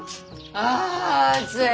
ああ暑い！